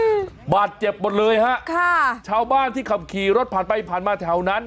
อืมบาดเจ็บหมดเลยฮะค่ะชาวบ้านที่ขับขี่รถผ่านไปผ่านมาแถวนั้น